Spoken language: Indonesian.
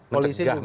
polisi juga ada